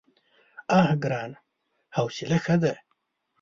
_اه ګرانه! حوصله ښه ده.